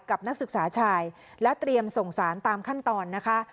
นักศึกษาชายและเตรียมส่งสารตามขั้นตอนนะคะ